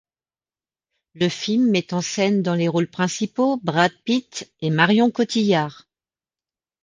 Le film met en scène dans les rôles principaux Brad Pitt et Marion Cotillard.